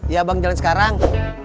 ya abang jalan sekarang